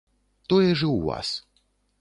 Тое ж і ў вас.